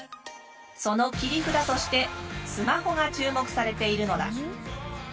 その切り札としてスマホが注目されているのだ。